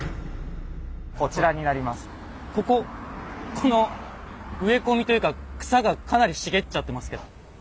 この植え込みというか草がかなり茂っちゃってますけど。